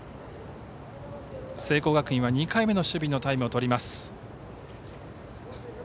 聖光学院は２回目の守備のタイムをとります。